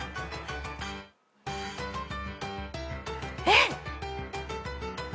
えっ？